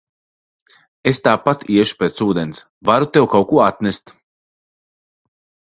Es tāpat iešu pēc ūdens, varu tev kaut ko atnest.